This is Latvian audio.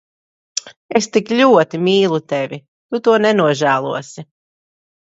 Es tik ļoti mīlu tevi. Tu to nenožēlosi.